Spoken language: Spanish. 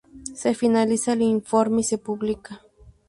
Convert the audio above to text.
Se finaliza el informe y se publica.